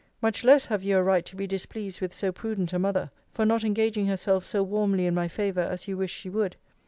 Much less have you a right to be displeased with so prudent a mother, for not engaging herself so warmly in my favour, as you wished she would.